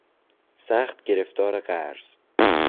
سخت گرفتار قرض